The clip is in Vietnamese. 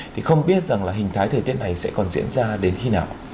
thì không biết rằng là hình thái thời tiết này sẽ còn diễn ra đến khi nào